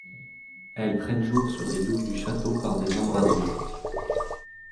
Elles prennent jour sur les douves du château par des embrasures.